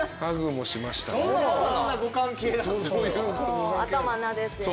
そんなご関係なんですか。